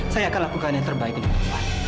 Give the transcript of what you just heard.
saya akan lakukan yang terbaik untuk taufan